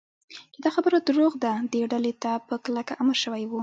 چې دا خبره دروغ ده، دې ډلې ته په کلکه امر شوی و.